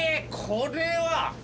これは。